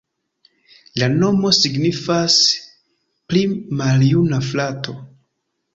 La nomo signifas: pli maljuna frato.